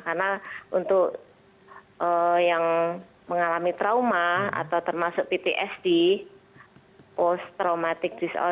karena untuk yang mengalami trauma atau termasuk ptsd post traumatic disorder